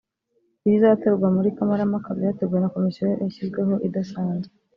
Ibizatorwa muri kamarampaka byateguwe na komisiyo yashyizweho idasanzwe